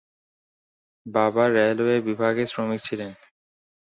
বাবা রেলওয়ে বিভাগে শ্রমিক ছিলেন।